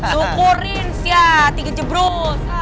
syukurin sia tiga jebrus